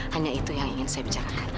hanya itu yang ingin saya bicarakan